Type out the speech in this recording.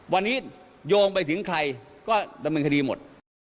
วันนี้โยงไปถึงใครก็ดำเนินคดีหมด